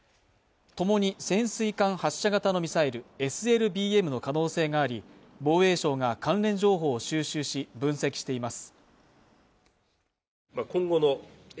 共に潜水艦発射型のミサイル＝ＳＬＢＭの可能性があり、防衛省が関連情報を収集し分析しています。